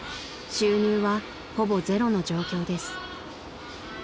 ［収入はほぼゼロの状況です］